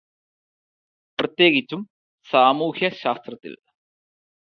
പ്രത്യേകിച്ചും സാമൂഹ്യശാസ്ത്രത്തിൽ.